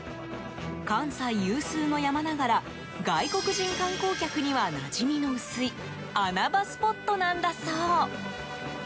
関西有数の山ながら外国人観光客にはなじみの薄い穴場スポットなんだそう。